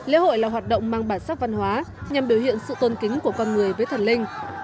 lễ hội là hoạt động mang bản sắc văn hóa nhằm biểu hiện sự tôn kính của con người với thần linh